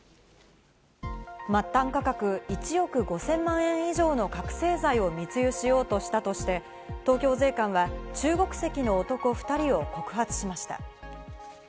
末端価格１億５０００万円以上の覚醒剤を密輸しようとしたとして、東京税関は中国籍の男２人を告発しました。